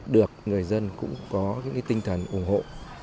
được người dân cũng có tinh thần ủng hộ